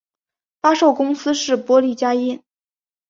发售公司是波丽佳音。